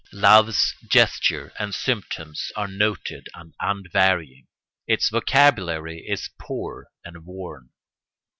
Love's gesture and symptoms are noted and unvarying; its vocabulary is poor and worn.